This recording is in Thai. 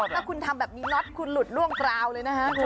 ถ้าคุณทำแบบนี้น็อตคุณหลุดล่วงกราวเลยนะฮะ